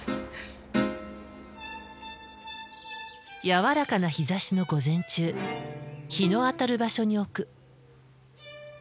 やわらかな日ざしの午前中日の当たる場所に置く。